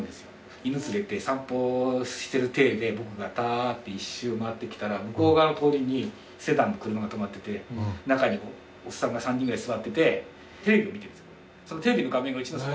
犬連れて散歩してる体で僕がダーッて１周回ってきたら向こう側の通りにセダンの車がとまってて中におっさんが３人ぐらい座っててテレビ見てるんですよ。